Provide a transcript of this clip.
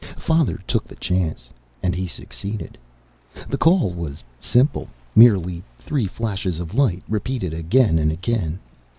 Father took the chance. And he succeeded. "The call was simple: merely three flashes of light, repeated again and again.